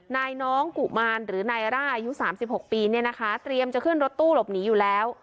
น้องกุมารหรือนายร่าอายุ๓๖ปีเนี่ยนะคะเตรียมจะขึ้นรถตู้หลบหนีอยู่แล้ว